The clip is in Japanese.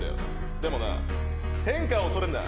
でもな、変化を恐れるな。